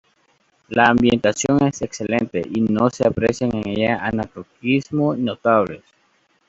La ambientación es excelente y no se aprecian en ella anacronismos notables.